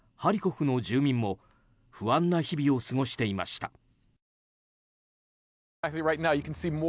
ハリコフの住民も不安な日々を過ごしていました。